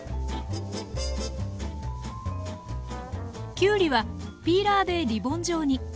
きゅうりはピーラーでリボン状に。